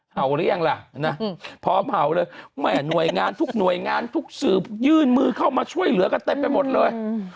หรือยังล่ะนะพร้อมเผาเลยแม่หน่วยงานทุกหน่วยงานทุกสืบยื่นมือเข้ามาช่วยเหลือกันเต็มไปหมดเลย